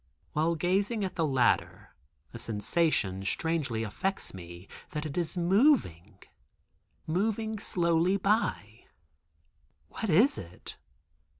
While gazing at the latter a sensation strangely affects me, that it is moving——moving slowly by. What is it?